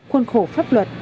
khuôn khổ pháp luật